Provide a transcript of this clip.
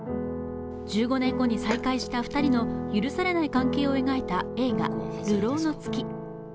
１５年後に再会した２人の許されない関係を描いた映画「流浪の月」。